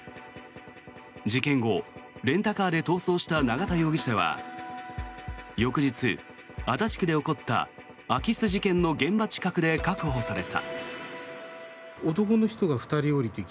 事件後、レンタカーで逃走した永田容疑者は翌日、足立区で起こった空き巣事件の現場近くで確保された。